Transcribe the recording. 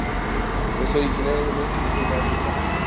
Es originario del este y sur de África.